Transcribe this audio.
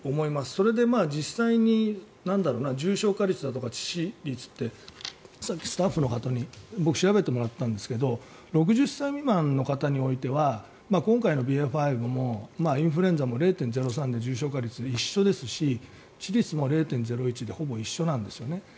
それで実際に重症化率とか致死率ってさっきスタッフの方に調べてもらったんですが６０歳未満の方においては今回のＢＡ．５もインフルエンザも０．０３で重症化率、一緒ですし致死率も０．０１でほぼ一緒なんですよね。